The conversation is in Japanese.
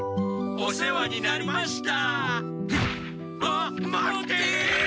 お世話になりました！